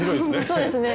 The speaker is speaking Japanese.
そうですね。